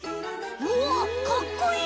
うわっかっこいい！